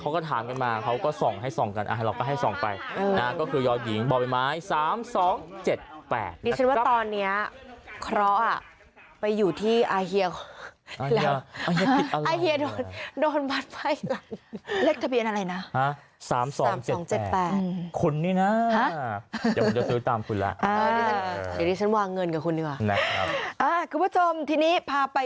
วางเงินกับคุณดีกว่าครับคุณผู้ชมที่นี้พาไป